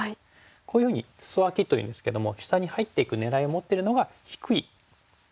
こういうふうに「スソアキ」というんですけども下に入っていく狙いを持ってるのが低い下のツメなんですよね。